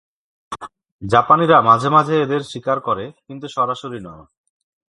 জাপানিরা মাঝে মাঝে এদের শিকার করে, কিন্তু সরাসরি নয়।